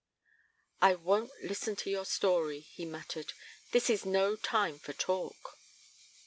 "I won't listen to your story," he muttered. "This is no time for talk."